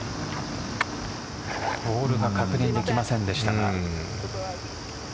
ボールが確認できませんでしたが。